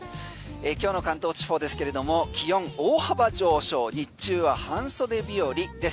今日の関東地方ですけれども気温大幅上昇日中は半袖日和です。